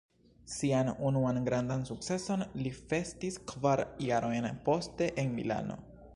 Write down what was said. Sian unuan grandan sukceson li festis kvar jarojn poste en Milano.